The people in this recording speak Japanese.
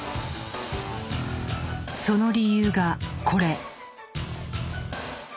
その理由がこれ。